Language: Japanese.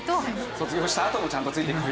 卒業したあともちゃんとついてくれるか。